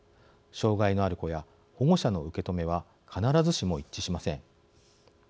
障害のある子や保護者の受け止めは必ずしも一致しません。